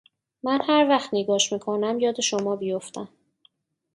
من هر وقت نگاش می کنم یاد شما بیفتم